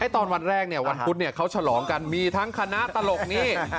ตอนวันแรกวันพุธเขาฉลองกันมีทั้งคณะตลกนี่